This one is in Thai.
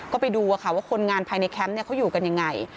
ก็ไปดูว่าคนงานภายในแคมป์เขาอยู่กันยังไง